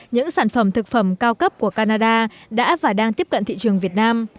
những sản phẩm thực phẩm cao cấp của canada đã và đang tiếp cận thị trường việt nam